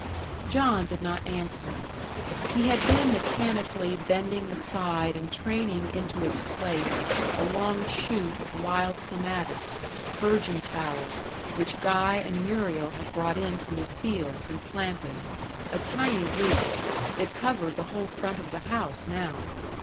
John did not answer. He had been mechanically bending aside and training into its place a long shoot of wild clematis virgin's bower, which Guy and Muriel had brought in from the fields and planted, a tiny root; it covered the whole front of the house now.